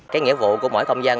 cái nghĩa vụ của mỗi công dân